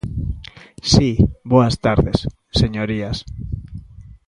Si, boas tardes, señorías.